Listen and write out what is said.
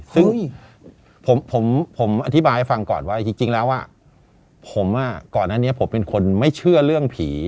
ซึ่งผมอธิบายให้ฟังก่อนว่าจริงแล้วผมก่อนอันนี้ผมเป็นคนไม่เชื่อเรื่องผี